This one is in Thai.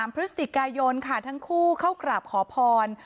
พฤศจิกายนค่ะทั้งคู่เข้ากราบขอพร